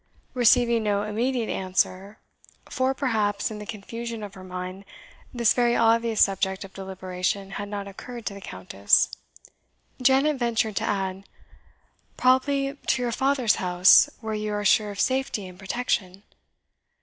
Receiving no immediate answer for, perhaps, in the confusion of her mind this very obvious subject of deliberation had not occurred to the Countess Janet ventured to add, "Probably to your father's house, where you are sure of safety and protection?"